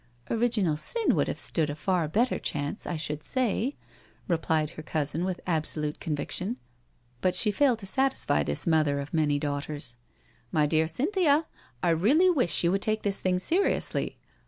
*' Original sin would have stood a far better chance, I should say," replied her cousin with absolute con viction. But she failed to satisfy this mother of many daughters. " My dear Cynthia, I really wish you would take this thing seriously.